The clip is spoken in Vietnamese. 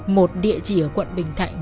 một địa chỉ ở quận bình thạnh